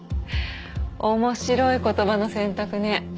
面白い言葉の選択ね。